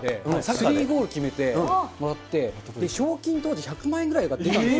スリーゴール決めてもらって、賞金、当時１００万円ぐらい出たんです。